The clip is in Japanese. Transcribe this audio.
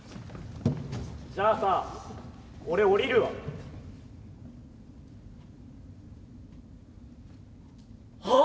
じゃあさ俺降りるわ。はあ？